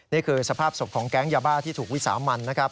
นี่คือสภาพศพของแก๊งยาบ้าที่ถูกวิสามันนะครับ